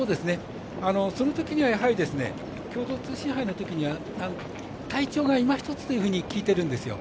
そのときには共同通信杯のときには体調がいまひとつというふうに聞いているんですよ。